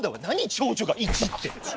長女が１って。